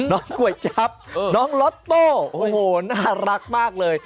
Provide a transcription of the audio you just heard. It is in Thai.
ก๋วยจั๊บน้องล็อตโต้โอ้โหน่ารักมากเลย